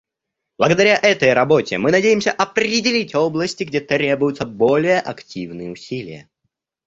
Благодаря этой работе мы надеемся определить области, где требуются более активные усилия.